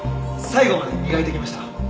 最後まで磨いておきました。